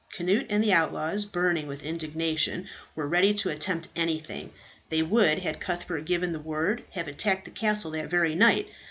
Cnut and the outlaws, burning with indignation, were ready to attempt anything. They would, had Cuthbert given the word, have attacked the castle that very night.